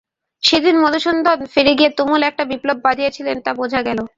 সেদিন মধুসূদন ফিরে গিয়ে তুমুল একটা বিপ্লব বাধিয়েছিল তা বোঝা গেল।